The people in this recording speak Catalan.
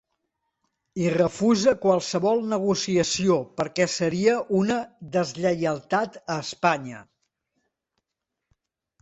I refusa qualsevol negociació, perquè seria una ‘deslleialtat a Espanya’.